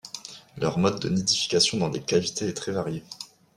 Leur mode de nidification dans des cavités est très varié.